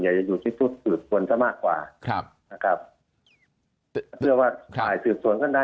ใหญ่อยู่ที่สู่ส่วนจะมากกว่าครับเพื่อว่าถ่ายสืบสวนก็ได้